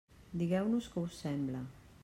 Digueu-nos que us sembla!